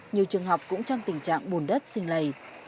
nhiều trường học cũng trong tình trạng bùn đất xin lầy